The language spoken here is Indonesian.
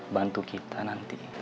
bantu kita nanti